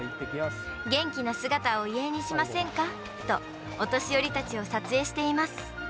元気な姿を遺影にしませんか？とお年寄りたちを撮影しています。